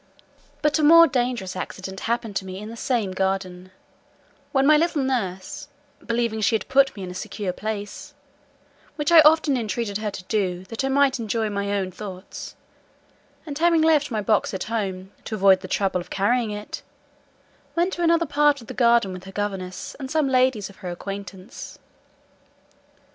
But a more dangerous accident happened to me in the same garden, when my little nurse, believing she had put me in a secure place (which I often entreated her to do, that I might enjoy my own thoughts,) and having left my box at home, to avoid the trouble of carrying it, went to another part of the garden with her governess and some ladies of her acquaintance.